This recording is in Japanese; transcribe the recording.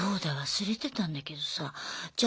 忘れてたんだけどさじゃ